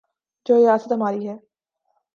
جو ریاست ہماری ہے۔